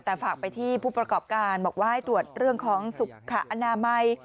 แต่ฝากไปที่ผู้ประกอบการบอกว่าให้ตรวจเรื่องของสุขอนามัย